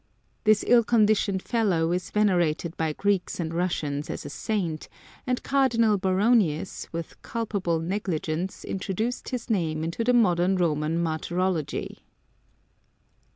This ill conditioned fellow is venerated by Greeks and Russians as a saint, and Cardinal Baronius with culpable negligence introduced his name into the modern Roman Martyrology.